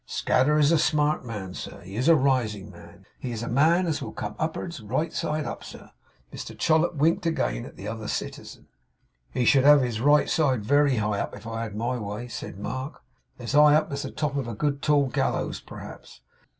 'Scadder is a smart man, sir? He is a rising man? He is a man as will come up'ards, right side up, sir?' Mr Chollop winked again at the other citizen. 'He should have his right side very high up, if I had my way,' said Mark. 'As high up as the top of a good tall gallows, perhaps.